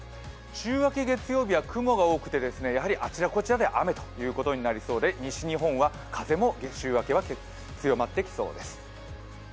週明け月曜日は雲が多くてやはりあちらこちらで雨ということになりそうで西日本は風も週明けは強まってきそうです。